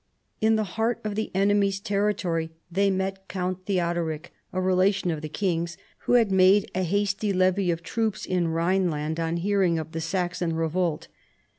In the heart of the enemies' country they met Count Theodoric, a relation of the king's, who had made a hasty levy of troops in Khine land on hearing of the Saxon revolt.